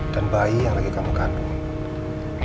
dan bayi yang lagi kamu kandung